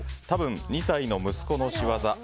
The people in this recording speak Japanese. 多分、２歳の息子の仕業。